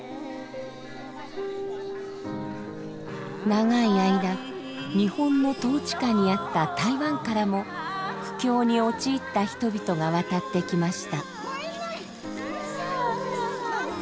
長い間日本の統治下にあった台湾からも苦境に陥った人々が渡ってきました。